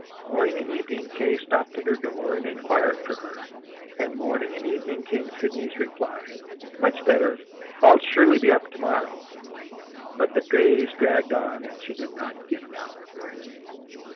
Morning and evening K. stopped at her door and inquired for her, and morning and evening came Sidney's reply: "Much better. I'll surely be up to morrow!" But the days dragged on and she did not get about.